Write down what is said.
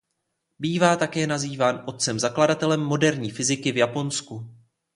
Bývá nazýván "otcem zakladatelem moderní fyziky v Japonsku".